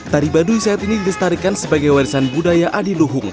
tari baduy saat ini dilestarikan sebagai warisan budaya adiluhung